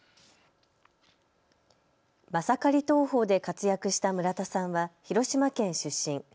マサカリ投法で活躍した村田さんは広島県出身。